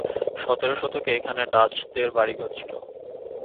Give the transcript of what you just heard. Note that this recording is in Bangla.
সতেরো শতকে এখানে ডাচদের বাড়িঘর ছিল।